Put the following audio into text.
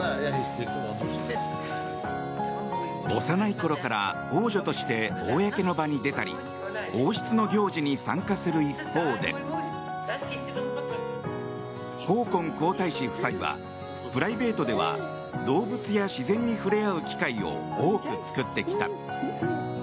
幼いころから王女として公の場に出たり王室の行事に参加する一方でホーコン皇太子夫妻はプライベートでは動物や自然に触れ合う機会を多く作ってきた。